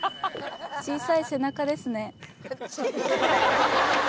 小さい背中ですね。